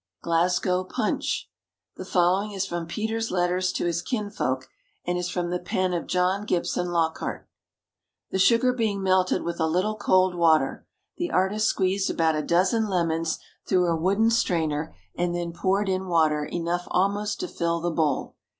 Glasgow Punch. The following is from Peter's Letters to his Kinsfolk, and is from the pen of John Gibson Lockhart: The sugar being melted with a little cold water, the artist squeezed about a dozen lemons through a wooden strainer, and then poured in water enough almost to fill the bowl.